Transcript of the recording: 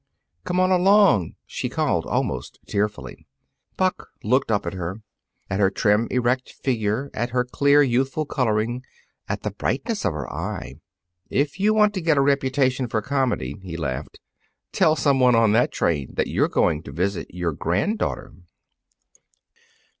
"Come on along!" she called, almost tearfully. Buck looked up at her. At her trim, erect figure, at her clear youthful coloring, at the brightness of her eye. "If you want to get a reputation for comedy," he laughed, "tell somebody on that train that you're going to visit your granddaughter."